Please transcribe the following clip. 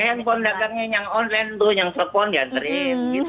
pakai handphone dagangnya yang online tuh yang telepon diantriin gitu